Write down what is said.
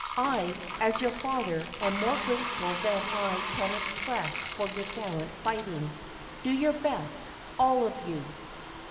I as your father am more grateful than I can express for your gallant fighting. Do your best, all of you."